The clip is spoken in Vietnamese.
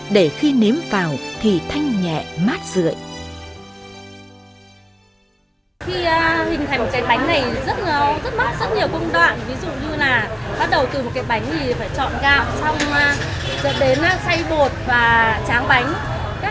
để khi nếm vào bánh sẽ không bị cháy ra